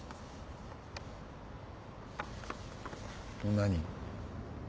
何？